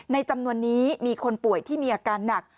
จำนวนนี้มีคนป่วยที่มีอาการหนัก